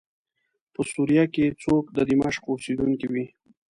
په سوریه کې څوک د دمشق اوسېدونکی وي.